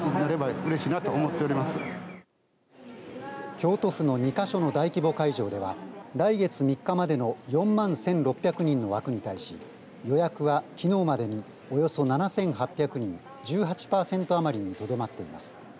京都府の２か所の大規模会場では来月３日までの４万１６００人の枠に対し予約は、きのうまでにおよそ７８００人１８パーセント余りにとどまっています。